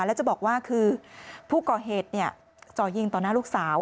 แล้วจะบอกว่าคือผู้ก่อเหตุจ่อยิงต่อหน้าลูกสาว